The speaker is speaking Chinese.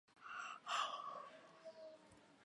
塔鲁米林是巴西米纳斯吉拉斯州的一个市镇。